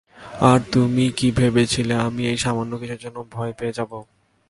আর তুমি কি ভেবেছিলে আমি এই সামান্য কিছুর জন্য ভয় পেয়ে যাব?